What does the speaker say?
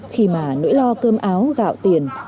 khi mà nỗi lo cơm áo gạo tiền